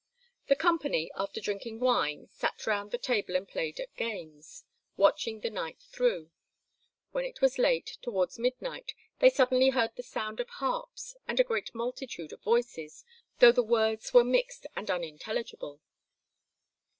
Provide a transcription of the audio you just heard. The company, after drinking wine, sat round the table and played at games, watching the night through. When it was late, towards midnight, they suddenly heard the sound of harps and a great multitude of voices, though the words were mixed and unintelligible.